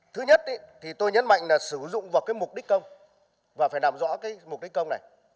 thứ nhất thì tôi nhấn mạnh là sử dụng vào cái mục đích công và phải làm rõ cái mục đích công này